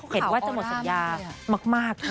เห็นว่าจะหมดสัญญามาก